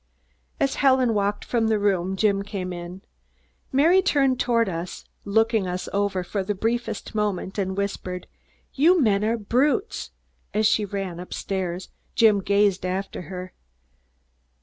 As Helen walked from the room, Jim came in. Mary turned toward us, looked us over for the briefest moment and whispered, "You men are brutes!" As she ran up stairs, Jim gazed after her.